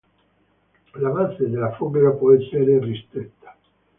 La base della foglia può essere ristretta.